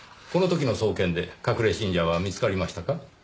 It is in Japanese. この時の捜検で隠れ信者は見つかりましたか？